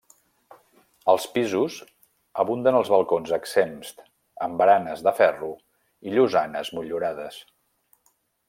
Als pisos abunden els balcons exempts, amb baranes de ferro i llosanes motllurades.